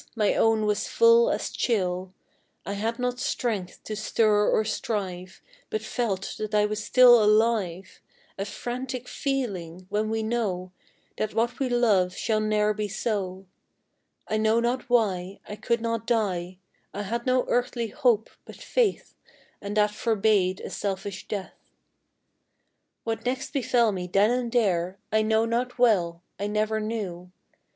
my own was full as chill; I had not strength to stir or strive, But felt that I was still alive, A frantic feeling when we know That what we love shall ne'er be so. I know not why I could not die, I had no earthly hope but faith, And that forbade a selfish death. What next befell me then and there I know not well I never knew.